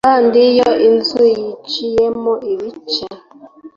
kandi iyo inzu yiciyemo ibice